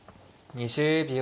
２０秒。